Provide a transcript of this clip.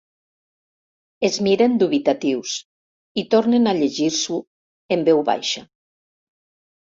Es miren dubitatius i tornen a llegir-s'ho, en veu baixa.